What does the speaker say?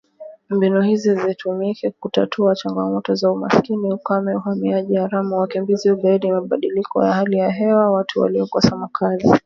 Mbinu hizi zitumike kutatua changamoto za umaskini, ukame, uhamiaji haramu, wakimbizi, ugaidi, mabadiliko ya hali ya hewa, watu waliokosa makazi